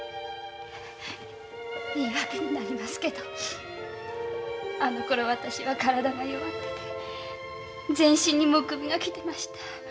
言い訳になりますけどあのころ私は体が弱ってて全身にむくみが来てました。